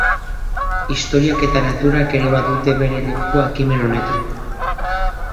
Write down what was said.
Historiak eta naturak ere badute bere lekua ekimen honetan.